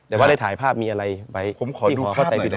แต่ว่าได้ถ่ายภาพมีอะไรไปที่หอพระไตยปิดก